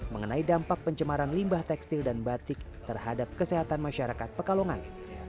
mengenai dampak pencemaran limbah tekstil dan batik terhadap kesehatan masyarakat pekalongan